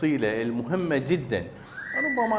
untuk membapanya seperti biasa